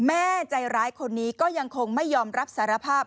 แม่ใจร้ายคนนี้ก็ยังคงไม่ยอมรับสารภาพ